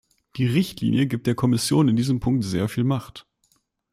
Die Richtlinie gibt der Kommission in diesem Punkt sehr viel Macht.